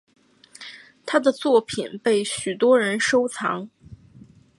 她的作品被许多人收藏。